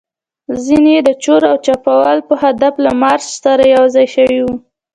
ځینې يې د چور او چپاول په هدف له مارش سره یوځای شوي وو.